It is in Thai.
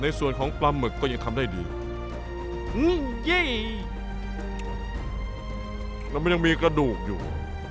ในส่วนของปลาหมึกก็ยังทำได้ดีงิ๊ยเย้แล้วมันยังมีกระดูกอยู่